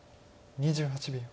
２８秒。